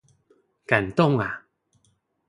感動啊